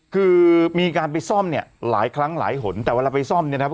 คือมีการไปซ่อมเนี่ยหลายครั้งหลายหนแต่เวลาไปซ่อมเนี่ยนะครับ